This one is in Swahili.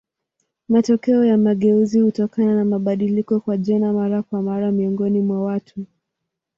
Matokeo ya mageuzi hutokana na mabadiliko kwa jeni mara kwa mara miongoni mwa watu.